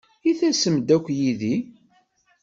I tasem-d akk yid-i?